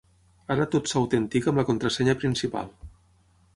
Ara tot s'autentica amb la contrasenya principal.